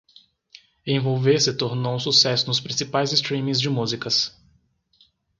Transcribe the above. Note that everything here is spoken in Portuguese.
Envolver se tornou um sucesso nos principais streamings de músicas